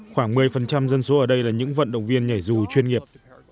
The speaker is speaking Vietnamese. khoảng một mươi dân số ở đây là những vận động viên nhảy dù chuyên nghiệp